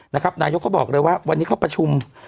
นายกเขาบอกเลยว่าวันนี้เขาประชุม